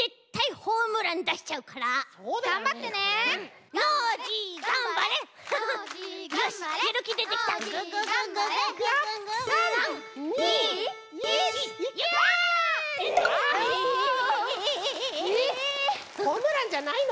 ホームランじゃないの？